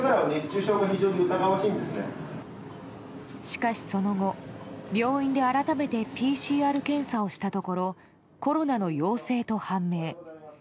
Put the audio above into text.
しかしその後、病院で改めてＰＣＲ検査をしたところコロナの陽性と判明。